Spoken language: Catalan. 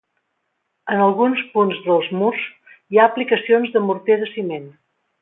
En alguns punts dels murs hi ha aplicacions de morter de ciment.